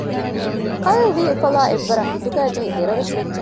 ކައިލް ވީ އުފަލާ އެއްވަރަށް ހިތުގައިޖެހި ދެރަވެސް ވެއްޖެ